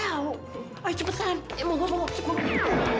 ayo cepetan mau gue bawa pesek gue